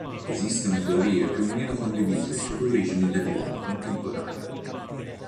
Esistono teorie più o meno condivise sulle origini dell'uomo contemporaneo.